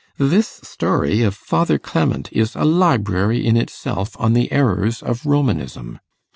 This story of 'Father Clement' is a library in itself on the errors of Romanism.